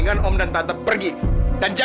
nanti sebentar lagi mereka diusir